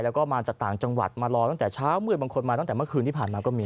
แล้วก็มาจากต่างจังหวัดมารอตั้งแต่เช้ามืดบางคนมาตั้งแต่เมื่อคืนที่ผ่านมาก็มี